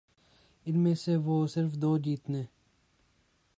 ان میں سے وہ صرف دو جیتنے